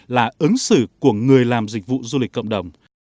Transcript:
là ứng xử của người làm dịch vụ du lịch cộng đồng